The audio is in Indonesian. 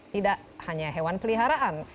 tidak hanya hewan peliharaan